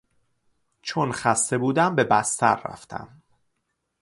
چون خسته بودم به بستر رفتم.